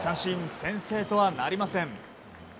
先制とはなりません。